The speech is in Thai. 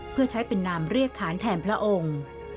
เพื่อใช้เป็นนามเรียกขานแทนพระองค์